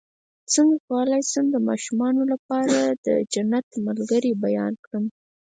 څنګه کولی شم د ماشومانو لپاره د جنت ملګري بیان کړم